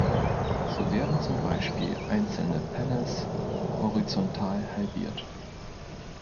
So werden zum Beispiel einzelne Panels horizontal halbiert.